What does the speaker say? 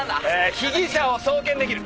被疑者を送検できる